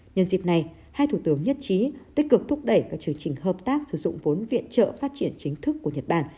nhân dịp này hai thủ tướng nhất trí tích cực thúc đẩy các chương trình hợp tác sử dụng vốn viện trợ phát triển chính thức của nhật bản